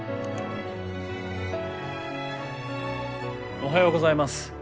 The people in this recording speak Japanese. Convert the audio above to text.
おはようございます。